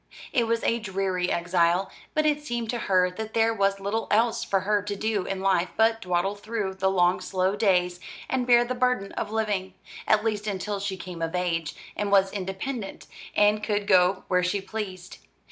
It was a dreary exile; but it seemed to her that there was little else for her to do in life but dawdle through the long slow days, and bear the burden of living; at least until she came of age, and was independent, and could go where she pleased.